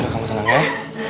udah kamu tenang ya